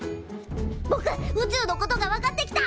ぼく宇宙のことが分かってきた。